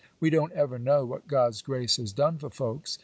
We don't ever know what God's grace has done for folks.